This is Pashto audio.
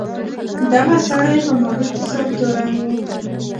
دغه سړی په مالي فساد تورن و.